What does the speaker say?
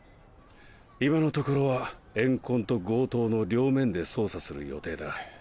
今のところは怨恨と強盗の両面で捜査する予定だ。